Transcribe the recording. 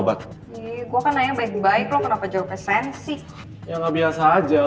jadi gak bakal ada yang ketipu lagi sama lo